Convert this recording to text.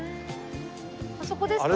あそこですかね？